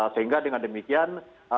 sehingga dengan demikian